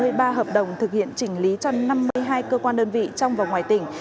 hai mươi ba hợp đồng thực hiện chỉnh lý cho năm mươi hai cơ quan đơn vị trong và ngoài tỉnh